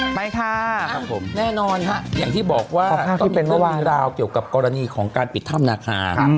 ไปค่ะครับผมต้องมีเรื่องราวเกี่ยวกับกรณีของการปิดถ้ำนาคา